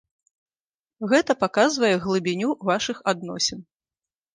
Гэта паказвае глыбіню вашых адносін.